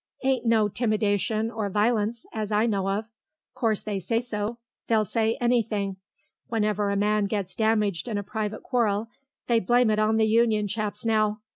"Ain't no 'timidation or violence, as I know of. 'Course they say so; they'll say anything. Whenever a man gets damaged in a private quarrel they blame it on the Union chaps now.